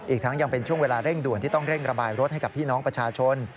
อีกทั้งยังเป็นช่วงเวลาเร่งด่วนที่ต้องเร่งระบายรถให้กับพี่น้องประชาชน